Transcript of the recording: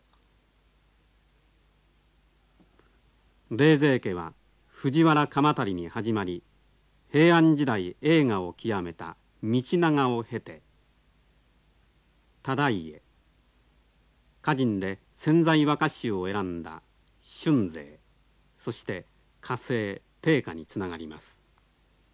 冷泉家は藤原鎌足に始まり平安時代栄華を極めた道長を経て忠家歌人で「千載和歌集」を選んだ俊成そして歌聖定家につながります。